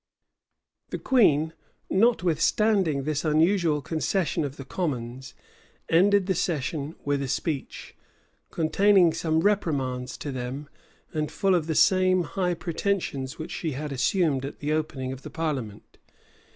[*] The queen, notwithstanding this unusual concession of the commons, ended the session with a speech, containing some reprimands to them, and full of the same high pretensions which she had assumed at the opening of the parliament.